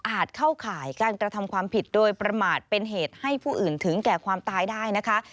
เข้าข่ายการกระทำความผิดโดยประมาทเป็นเหตุให้ผู้อื่นถึงแก่ความตายได้นะคะ